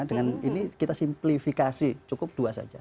dengan ini kita simplifikasi cukup dua saja